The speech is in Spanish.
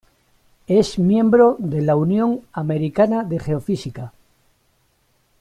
Es miembro de la Unión Americana de Geofísica.